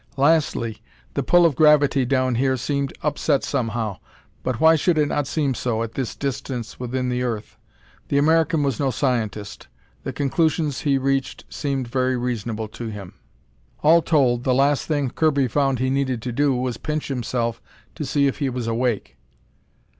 Lastly, the pull of gravity down here seemed upset somehow. But why should it not seem so, at this distance within the earth? The American was no scientist; the conclusions he reached seemed very reasonable to him. All told, the last thing Kirby found he needed to do was pinch himself to see if he was awake.